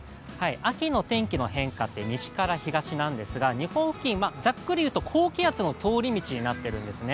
秋の天気の変化って西から東なんですが日本付近はざっくり言うと高気圧の通り道になってるんですね。